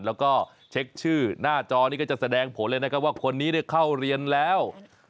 แล้วก็เช็คชื่อหน้าจอนี้ก็จะแสดงผลเลยนะครับว่าคนนี้เข้าเรียนแล้ว